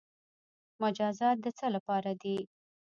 مجازات د څه لپاره دي؟